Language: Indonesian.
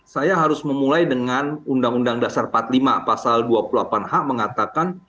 saya harus memulai dengan undang undang dasar empat puluh lima pasal dua puluh delapan h mengatakan